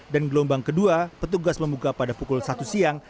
dan gelombang kedua petugas membuka pada pukul satu siang